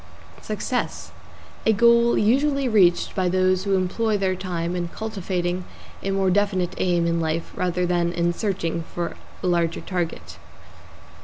=SUCCESS= A goal usually reached by those who employ their time in cultivating a more definite aim in life rather than in searching for a larger target.